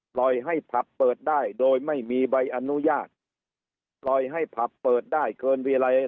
ปล่อยให้ผับเปิดได้โดยไม่มีใบอนุญาตปล่อยให้ผับเปิดได้เกินเวลา